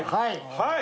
はい。